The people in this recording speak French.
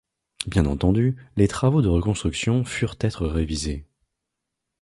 Bien entendu, les travaux de reconstruction furent être révisés.